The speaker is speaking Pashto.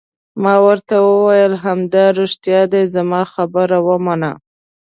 ما ورته وویل: همدارښتیا دي، زما خبره ومنه.